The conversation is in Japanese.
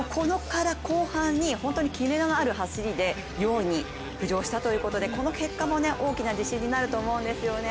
後半にキレのある走りで４位に浮上したということでこの結果も大きな自信になると思うんですよね。